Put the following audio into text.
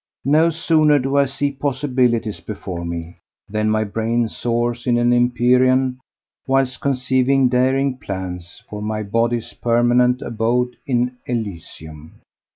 No sooner do I see possibilities before me than my brain soars in an empyrean whilst conceiving daring plans for my body's permanent abode in elysium.